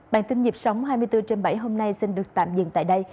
bản tin dịp sóng hai mươi bốn h bảy hôm nay xin được tạm dừng tại đây